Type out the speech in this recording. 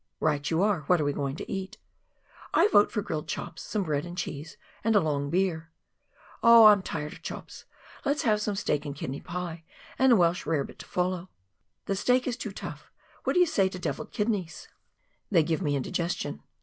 " Right you are ; what are we going to eat ?" "I vote for grilled chops, some bread and cheese, and a long beer." " Oh, I'm tired of chops; let's have some steak and kidney pie, with a "Welsh rare bit to follow." " The steak is too tough ; what do you say to devilled kidneys ?"" They give me indigestion."